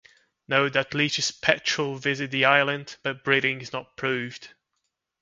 Note that Leach's petrel visit the island but breeding is not proved.